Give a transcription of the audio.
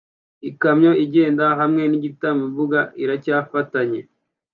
Ikamyo igenda hamwe nigitambambuga iracyafatanye